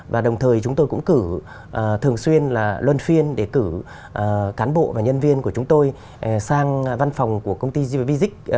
và đồng thời chúng tôi cũng cử thường xuyên là luân phiên để cử cán bộ và nhân viên của chúng tôi sang văn phòng của công ty g visic